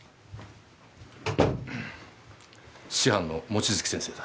師範の望月先生だ。